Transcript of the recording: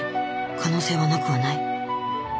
可能性はなくはない。